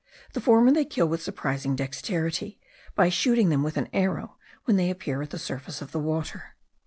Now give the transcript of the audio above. The former they kill with surprising dexterity, by shooting them with an arrow when they appear at the surface of the water.